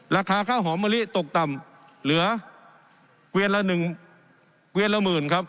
ราคาข้าวหอมมะลิตกต่ำเหลือเวียนละหนึ่งเวียนละหมื่นครับ